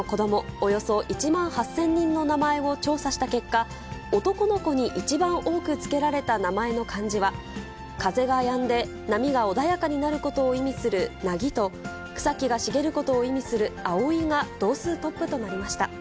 およそ１万８０００人の名前を調査した結果、男の子に一番多く付けられた名前の漢字は、風がやんで、波が穏やかになることを意味する凪と、草木が茂ることを意味する蒼が同数トップとなりました。